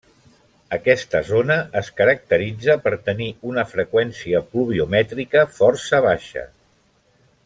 Aquesta zona es caracteritza per tenir una freqüència pluviomètrica força baixa.